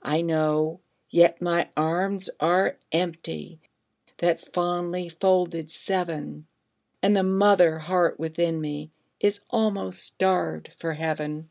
I know, yet my arms are empty, That fondly folded seven, And the mother heart within me Is almost starved for heaven.